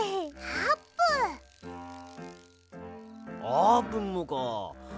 あーぷんもかあ。